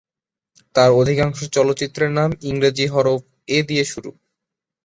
তার অধিকাংশ চলচ্চিত্রের নাম ইংরেজি হরফ "এ" দিয়ে শুরু।